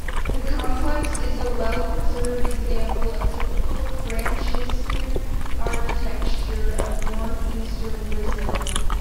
The complex is a well-preserved example of typical Franciscan architecture of north-eastern Brazil.